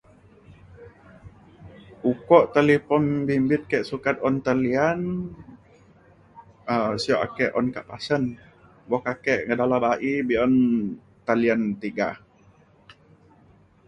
ukok talipon bimbit ke sukat un talian um sio ake un kak pasen. buk ake kak dalem bayi be’un talian tiga.